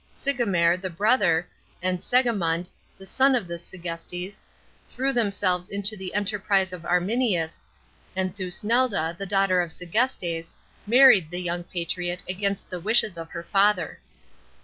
SLiiner, the Irother, and Segimund, the son of this Sezestes, threw themselves into the enterprise of Arminius, and Thusnelda, the daughter of !Se,;estes, married the young patriot against the wishes of her father.